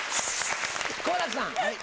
好楽さん。